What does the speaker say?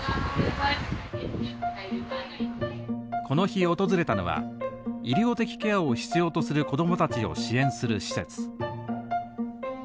この日訪れたのは医療的ケアを必要とする子供たちを支援する施設。